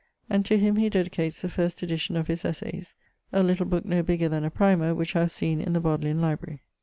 And to him he dedicates the first edition of his Essayes, a little booke no bigger then a primer, which I have seen in the Bodlyan Library.